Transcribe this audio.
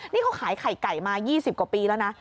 นี่เขาขายไข่ไก่มา๒๐กว่าปีแล้วนะ